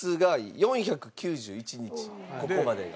ここまでが。